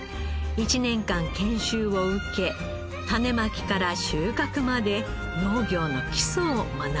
１年間研修を受け種まきから収穫まで農業の基礎を学びました。